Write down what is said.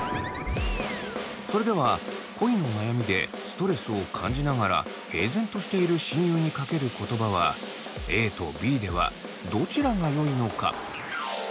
それでは恋の悩みでストレスを感じながら平然としている親友にかける言葉はＡとＢではどちらがよいのか？